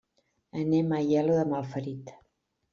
Anem a Aielo de Malferit.